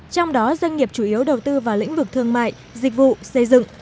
trong đó doanh nghiệp chủ yếu đầu tư vào lĩnh vực thương mại dịch vụ xây dựng